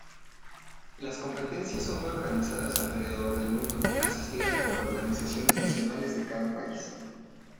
Las competencias son organizadas alrededor del mundo, asistidas por organizaciones nacionales de cada país.